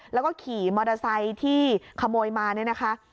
แล้วก็ขี่มอเตอร์ไซค์ที่ขโมยมาเนี่ยนะคะ